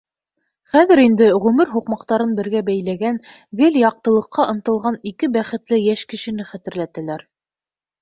Хәҙер инде ғүмер һуҡмаҡтарын бергә бәйләгән, гел яҡтылыҡҡа ынтылған ике бәхетле йәш кешене хәтерләтәләр.